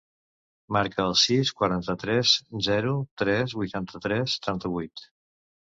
Marca el sis, quaranta-tres, zero, tres, vuitanta-tres, setanta-vuit.